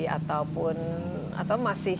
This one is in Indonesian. ataupun atau masih